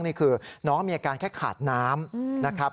นี่คือน้องมีอาการแค่ขาดน้ำนะครับ